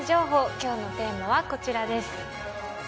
きょうのテーマはこちらです。